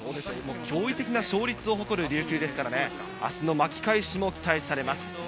驚異的な勝率を誇る琉球です、明日の巻き返しに期待されます。